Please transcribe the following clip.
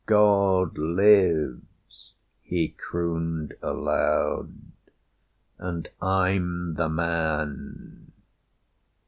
"God lives," he crooned aloud, "and I'm the man!"